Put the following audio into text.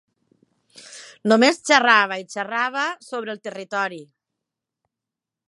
Només xerrava i xerrava sobre el territori.